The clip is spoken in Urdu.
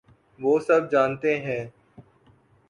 وہ سب جانتے ہیں۔